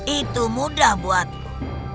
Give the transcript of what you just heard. itu mudah buatku